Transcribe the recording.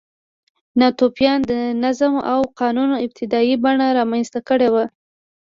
ناتوفیانو د نظم او قانون ابتدايي بڼه رامنځته کړې وه.